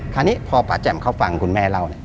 คราวนี้พอป่าแจ่มเขาฟังคุณแม่เล่าเนี่ย